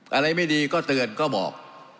อะไรไม่ดีก็เตือนก็บอก